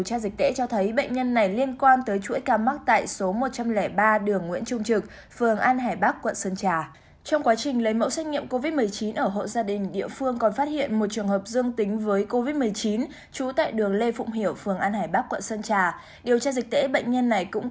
ba ca thủ chuỗi ca mắc tại địa chỉ ca hai trăm sáu mươi sáu hoàng diệu quận hải châu